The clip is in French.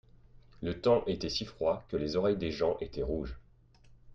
Le temps était si froid que les oreilles des gens étaient rouges.